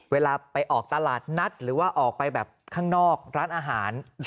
เวลาไปออกตลาดนัดหรือว่าออกไปแบบข้างนอกร้านอาหาร